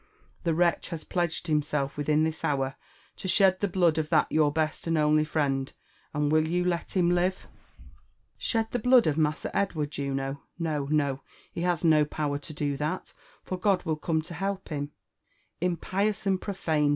The wretch has pledged himself within this hour to shed the blood of that your best and only friend ^and will you let him live ?"Shed the blood of Massa Edward, Juno? No, no, he hab no power to do that, for God will come to help him." " Impious and pi^ofane!"